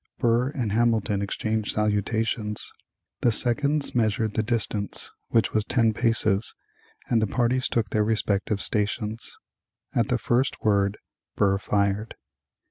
Burr and Hamilton exchanged salutations, the seconds measured the distance, which was ten paces, and the parties took their respective stations. At the first word, Burr fired.